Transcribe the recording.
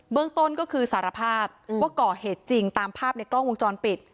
เรื่องต้นก็คือสารภาพว่าก่อเหตุจริงตามภาพในกล้องวงจรปิด